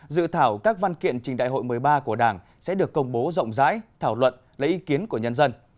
dự thảo các văn kiện trình đại hội một mươi ba của đảng sẽ được công bố rộng rãi thảo luận lấy ý kiến của nhân dân